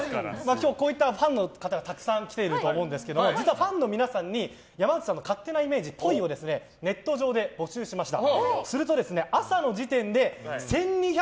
今日はこういったファンの方がたくさん来ていると思うんですが実はファンの皆さんに山内さんの勝手なイメージっぽいをネット上で募集しました。